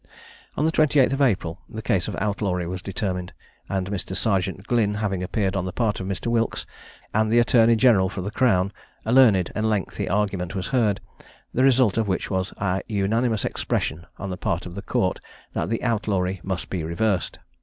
On the 28th of April the case of outlawry was determined; and Mr. Serjeant Glynn having appeared on the part of Mr. Wilkes, and the Attorney General for the crown, a learned and lengthy argument was heard, the result of which was a unanimous expression on the part of the court that the outlawry must be reversed.